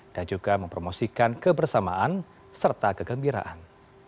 dan juga mempromosikan kebersamaan serta kegembiraan